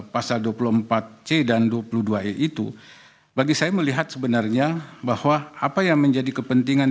pasal dua puluh empat c dan dua puluh dua e itu bagi saya melihat sebenarnya bahwa apa yang menjadi kepentingan